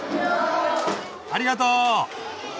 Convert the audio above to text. ありがとう！